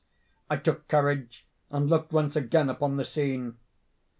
I took courage, and looked once again upon the scene.